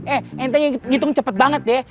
eh ente nyitung cepet banget deh